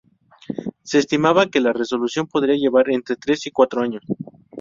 Se estimaba que la resolución podría llevar entre tres y cuatro años.